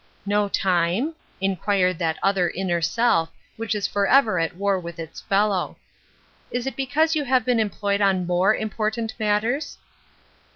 " No time ?" inquired that other inner self, which is forever at war with its fellow. " Is it be cause you have been employed on more important matters